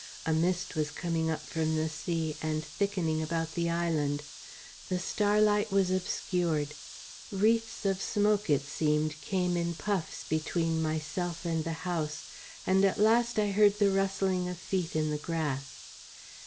A mist was coming up from the sea and thickening about the island; the starlight was obscured; wreaths of smoke, it seemed, came in puffs between myself and the house, and at last I heard the rustling of feet in the grass.